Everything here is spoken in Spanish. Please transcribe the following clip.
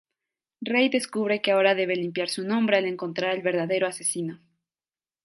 Ray descubre que ahora debe limpiar su nombre al encontrar al verdadero asesino.